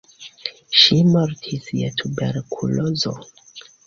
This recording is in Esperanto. Ŝi mortis je tuberkulozo.